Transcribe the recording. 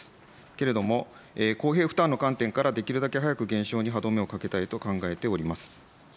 けれども、公平負担の観点から、できるだけ早く減少に歯止めをかけたいと考えております。